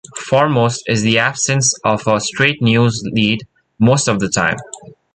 Foremost is the absence of a straight-news lead, most of the time.